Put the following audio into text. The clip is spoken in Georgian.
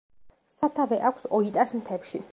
სათავე აქვს ოიტას მთებში.